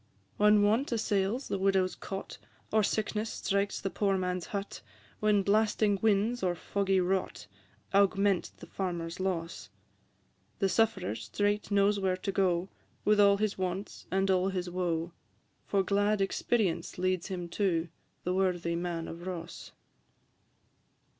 IV. When want assails the widow's cot, Or sickness strikes the poor man's hut, When blasting winds or foggy rot Augment the farmer's loss: The sufferer straight knows where to go, With all his wants and all his woe; For glad experience leads him to The worthy Man of Ross.